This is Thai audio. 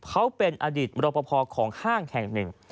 เขาเป็นอดีตมรปภของห้างแห่งหนึ่ง